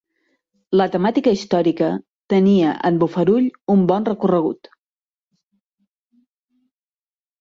La temàtica històrica tenia en Bofarull un bon recorregut.